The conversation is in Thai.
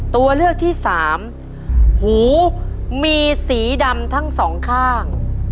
ตัวเลือกที่สามหูมีสีดำทั้งสองข้าง